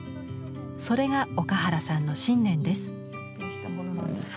それが岡原さんの信念です。